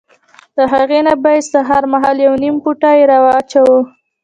له هغې نه به یې سهار مهال یو نیم پوټی را اچاوه.